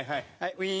ウイーン。